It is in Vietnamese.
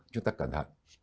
chúng ta cẩn thận